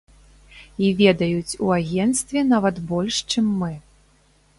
І ведаюць у агенцтве нават больш, чым мы.